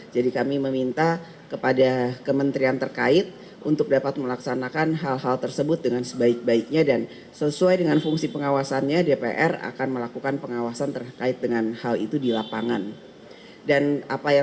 jadi kami meminta kepada kementerian terkaitnya